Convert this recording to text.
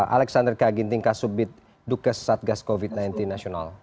alexander kaginting kasubit dukes satgas covid sembilan belas nasional